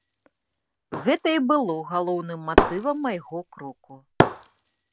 Гэта і было галоўным матывам майго кроку.